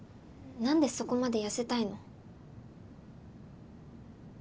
なんでそこまで痩せたいの？